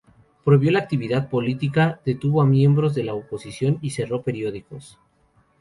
Prohibió la actividad política, detuvo a miembros de la oposición y cerró periódicos.